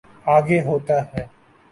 آگے ہوتا ہے۔